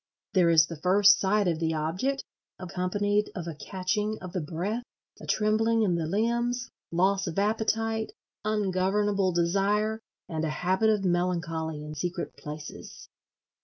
There is the first sight of the Object, accompanied of a catching of the breath, a trembling in the limbs, loss of appetite, ungovernable desire, and a habit of melancholy in secret places.